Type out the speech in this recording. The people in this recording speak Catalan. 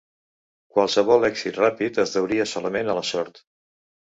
Qualsevol èxit ràpid es deuria solament a la sort.